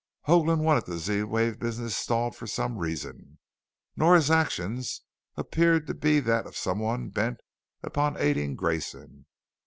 Hoagland wanted the Z wave business stalled for some reason. Nora's actions appeared to be that of someone bent upon aiding Grayson.